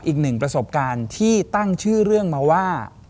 อีกหนึ่งประสบการณ์ที่ตั้งชื่อเรื่องมาว่า